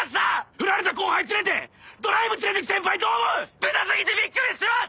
フラれた後輩連れてドライブ連れてく先輩どう思う⁉ベタ過ぎてびっくりします！